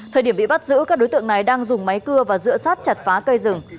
thời điểm bị bắt giữ các đối tượng này đang dùng máy cưa và giữa sát chặt phá cây rừng